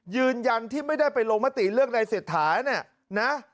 ยืนยันที่ไม่ได้ไปลงมาตีเรื่องในเศรษฐานะ